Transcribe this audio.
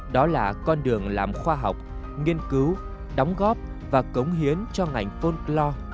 đó là con đường làm khoa học nghiên cứu đóng góp và cống hiến cho ngành folklore